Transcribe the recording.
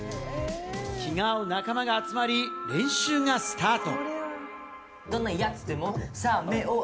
気が合う仲間が集まり、練習がスタート。